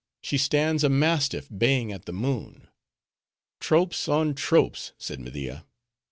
She stands a mastiff baying at the moon." "Tropes on tropes!" said. Media.